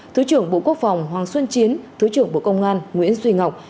thứ trưởng bộ quốc phòng hoàng xuân chiến thứ trưởng bộ công an nguyễn duy ngọc